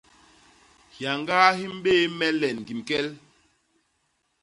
Hyañgaa hi mbéé me len ñgim kel.